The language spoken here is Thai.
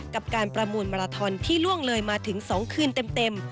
กับการประมูลมาราทอนที่ล่วงเลยมาถึง๒คืนเต็ม